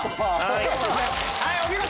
はいお見事！